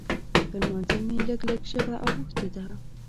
پر لمانځه مې لږ لږ ژبه اوښتې ده.